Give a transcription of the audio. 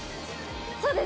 そうです！